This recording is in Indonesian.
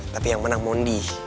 tapi yang menang mondi